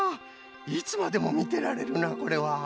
いつまでもみてられるなこれは。